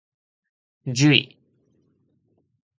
じゅい